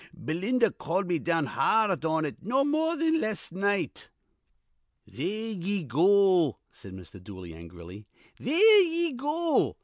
Belinda called me down ha ard on it no more thin las' night." "There ye go!" said Mr. Dooley, angrily. "There ye go!